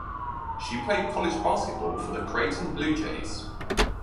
She played college basketball for the Creighton Blue Jays.